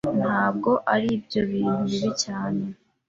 Ntabwo aribyo bintu bibi cyane.